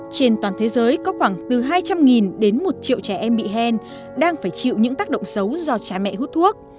trên toàn thế giới có khoảng từ hai trăm linh đến một triệu trẻ em bị hèn đang phải chịu những tác động xấu do cha mẹ hút thuốc